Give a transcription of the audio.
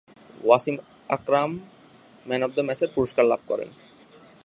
Wasim Akram man of the ম্যাচের পুরস্কার লাভ করেন।